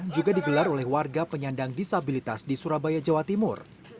juga digelar oleh warga penyandang disabilitas di surabaya jawa timur